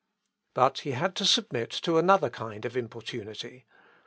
But he had to submit to another kind of importunity.